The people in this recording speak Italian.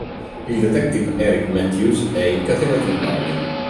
Il detective Eric Matthews è incatenato in bagno.